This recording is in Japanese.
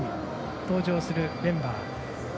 登場するメンバー。